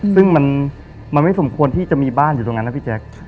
ซึ่งมันไม่สมควรที่จะมีบ้านอยู่ตรงนั้นนะพี่แจ๊ค